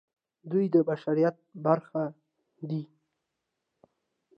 دوی د بشریت برخه دي.